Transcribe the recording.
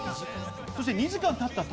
そして２時間経ったと